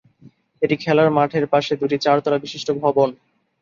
এটি খেলার মাঠের পাশে দুটি চারতলা বিশিষ্ট ভবন।